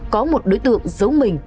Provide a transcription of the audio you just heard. có một đối tượng giống mình